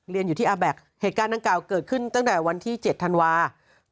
เรียนอยู่ที่อาแบ็คเหตุการณ์ดังกล่าวเกิดขึ้นตั้งแต่วันที่๗ธันวาคม